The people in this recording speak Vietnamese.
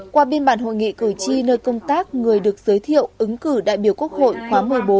qua biên bản hội nghị cử tri nơi công tác người được giới thiệu ứng cử đại biểu quốc hội khóa một mươi bốn